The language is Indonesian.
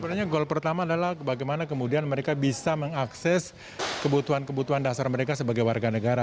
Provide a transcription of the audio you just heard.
sebenarnya goal pertama adalah bagaimana kemudian mereka bisa mengakses kebutuhan kebutuhan dasar mereka sebagai warga negara